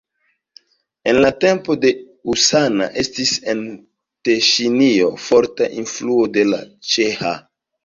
En la tempo de husana estis en Teŝinio forta influo de la ĉeĥa.